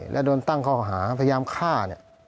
และโดนตั้งข้อหาพยายามฆ่า